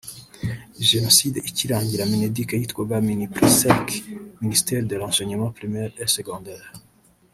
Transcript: Jenoside ikirangira Mineduc yitwaga Mineprisec (Ministère de l‘Enseignement Primaire et Secondaire)